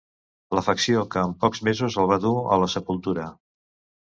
L’afecció que en pocs mesos el va dur a la sepultura.